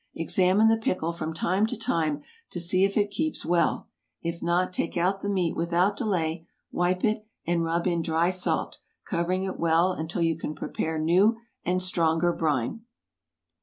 Examine the pickle from time to time to see if it keeps well; if not, take out the meat without delay, wipe it, and rub in dry salt, covering it well until you can prepare new and stronger brine.